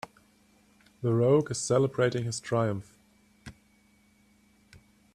The rogue is celebrating his triumph.